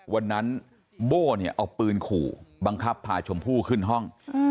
โบ้เนี่ยเอาปืนขู่บังคับพาชมพู่ขึ้นห้อง